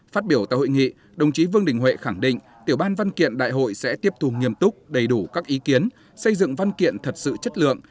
phát biểu tại hội nghị đồng chí vương đình huệ khẳng định tiểu ban văn kiện đại hội sẽ tiếp thù nghiêm túc đầy đủ các ý kiến xây dựng văn kiện thật sự chất lượng